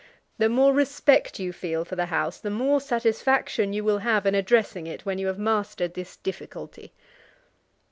The more respect you feel for the House, the more satisfaction you will have in addressing it when you have mastered this difficulty."